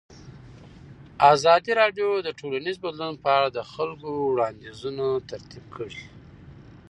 ازادي راډیو د ټولنیز بدلون په اړه د خلکو وړاندیزونه ترتیب کړي.